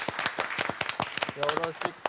よろしく！